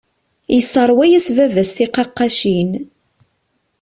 Yesserwa-yas baba-s tiqaqqacin.